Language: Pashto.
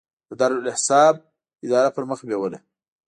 د دارالاحساب اداره پرمخ بیوله.